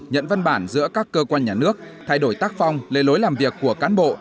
nhận văn bản giữa các cơ quan nhà nước thay đổi tác phong lề lối làm việc của cán bộ